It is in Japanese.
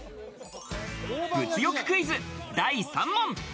物欲クイズ、第３問。